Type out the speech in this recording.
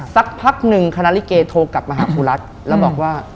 สักพักหนึ่งคณะลิเกโทรกลับมาหาครูรัฐแล้วบอกว่า